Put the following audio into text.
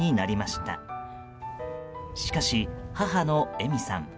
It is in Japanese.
しかし、母の絵美さん。